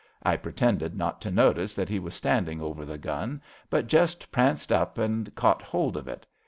I pretended not to notice that he was standing over the gun, but just pranced up and caught hold of it.